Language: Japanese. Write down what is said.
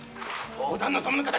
大旦那様の敵